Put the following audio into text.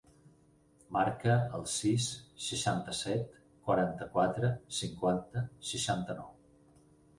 Marca el sis, seixanta-set, quaranta-quatre, cinquanta, seixanta-nou.